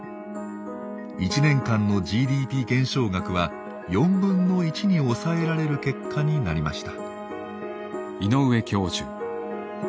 １年間のＧＤＰ減少額は４分の１に抑えられる結果になりました。